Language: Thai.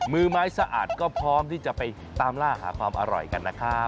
มือไม้สะอาดก็พร้อมที่จะไปตามล่าหาความอร่อยกันนะครับ